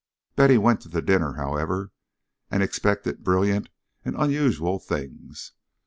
Betty went to the dinner, however, and expected brilliant and unusual things.